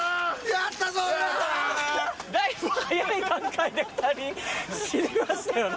やったぞ俺らだいぶ早い段階で２人死にましたよね？